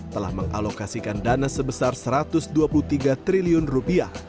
telah mengalokasikan dana sebesar satu ratus dua puluh tiga triliun rupiah